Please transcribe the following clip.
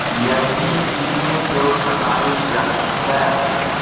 یعنی انہیں جو سنائی جاتی ہے۔